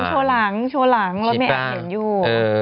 โชว์หลังโชว์หลังรถไม่แอบเห็นอยู่